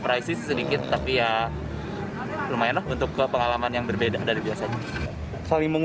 method woundsun oalia lumayanlah untuk ke pengalaman yang berbeda dalam ak extremed